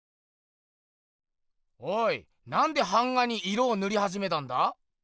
おいなんで版画に色をぬりはじめたんだ？